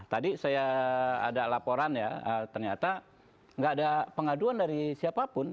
jadi saya ada laporan ya ternyata nggak ada pengaduan dari siapapun